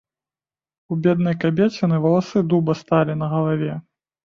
У беднай кабеціны валасы дуба сталі на галаве.